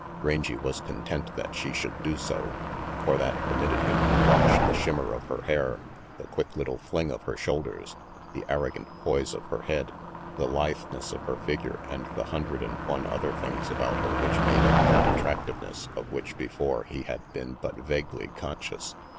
Rangy was content that she should do so. For that permitted him to watch the shimmer of her hair, the quick little fling of her shoulders, the arrogant poise of her head, the lithe ness of her figure, and the hundred and one other things about her which made up that attractiveness of which before he had been but vaguely conscious.